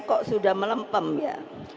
kok sudah melempem ya